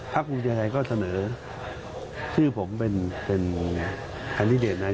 พักภูมิใจไทยก็เสนอชื่อผมเป็นคันที่เดชน์นาย